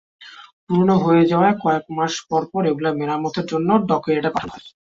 পুরোনো হয়ে যাওয়ায় কয়েক মাস পরপর এগুলো মেরামতের জন্য ডকইয়ার্ডে পাঠাতে হয়।